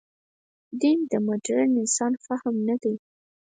دین د مډرن انسان فهم نه دی.